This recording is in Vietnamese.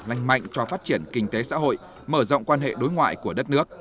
lành mạnh cho phát triển kinh tế xã hội mở rộng quan hệ đối ngoại của đất nước